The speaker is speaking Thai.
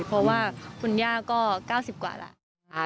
เพราะว่าคุณย่าก็๙๐กว่าแล้ว